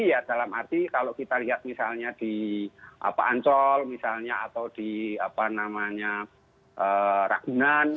jadi ya dalam arti kalau kita lihat misalnya di ancol misalnya atau di rangunan